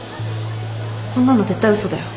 こんなの絶対嘘だよ。